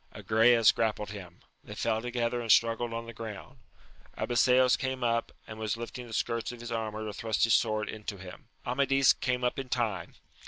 Agrayes grappled him; they fell together and struggled on the ground. Abiseos came up, and was lifting the skirts of his armour to thrust his sword into him. Amadis came up in time.